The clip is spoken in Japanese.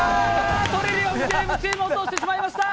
「トリリオンゲーム」チーム落としてしまいました。